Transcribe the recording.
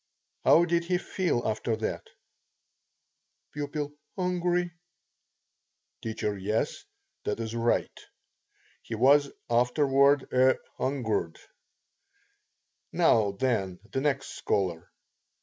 How did he feel after that? P. Hungry. T. Yes, that is right. He was afterward "a hungered." Now, then, the next scholar.